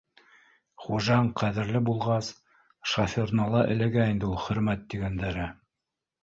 Хужаң ҡәҙерле булғас, шоферына ла эләгә инде ул хөрмәт тигәндәре